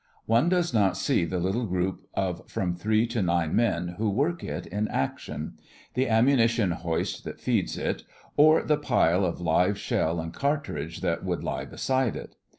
One does not see the little group of from three to nine men who work it in action; the ammunition hoist that feeds it; or the pile of live shell and cartridge that would lie beside it.